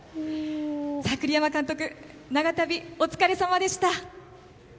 栗山監督長旅、お疲れさまでした。